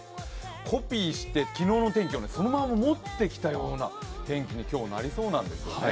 コピーして昨日の天気をそのまま持ってきて今日の天気になりそうなんですね。